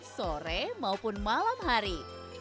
sore maupun malam hari